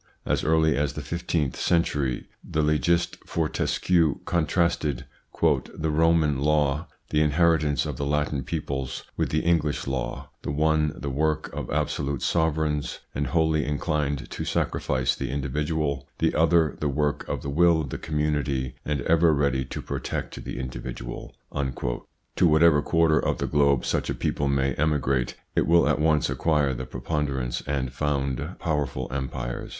As early as the fifteenth century the legist Fortescue contrasted " the Roman law, the inheritance of the Latin peoples, with the English law : the one the work of absolute sovereigns, and wholly inclined to sacrifice the individual ; the other the work of the will of the community, and ever ready to protect the individual." To whatever quarter of the globe such a people may emigrate, it will at once acquire the preponder ance, and found powerful empires.